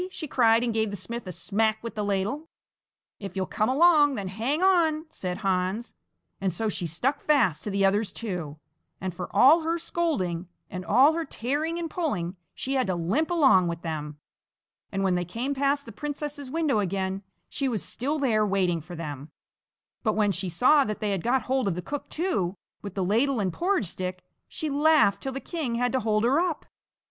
she cried, and gave the smith a smack with the ladle. "If you'll come along, then hang on!" said Hans, and so she stuck fast to the others too, and for all her scolding and all her tearing and pulling, she had to limp along with them. And when they came past the princess's window again, she was still there waiting for them, but when she saw that they had got hold of the cook too, with the ladle and porridge stick, she laughed till the king had to hold her up.